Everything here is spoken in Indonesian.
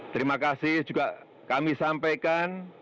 terima kasih juga kami sampaikan